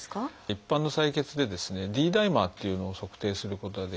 一般の採血でＤダイマーっていうのを測定することができます。